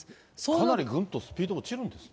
かなりぐんとスピード落ちるんですね。